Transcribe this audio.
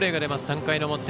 ３回の表。